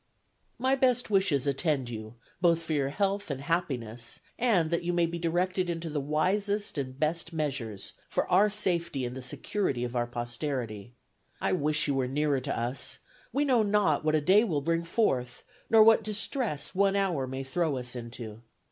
"My best wishes attend you, both for your health and happiness, and that you may be directed into the wisest and best measures for our safety and the security of our posterity. I wish you were nearer to us; we know not what a day will bring forth, nor what distress one hour may throw us into.